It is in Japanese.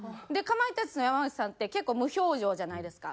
かまいたちの山内さんって結構無表情じゃないですか。